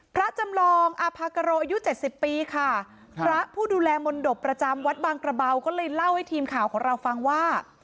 พระจำลองอาภากโรอายุเจ็ดสิบปีค่ะพระผู้ดูแลมนตบประจำวัดบางกระเบาก็เลยเล่าให้ทีมข่าวของเราฟังว่า